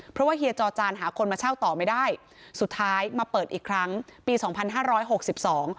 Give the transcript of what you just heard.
เพราะว่าเฮียจอจานหาคนมาเช่าต่อไม่ได้สุดท้ายมาเปิดอีกครั้งปีสองพันห้าร้อยหกสิบสอง